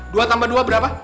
dua tambah dua berapa